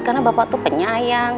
karena bapak tuh penyayang